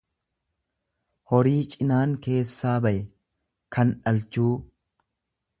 horii cinaan keessaa baye, kan dhalchuu